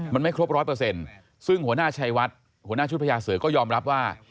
มันไม่ครบร้อยเปอร์เซ็นต์ซึ่งหัวหน้าชัยวัดหัวหน้าชุดพญาเสือก็ยอมรับว่า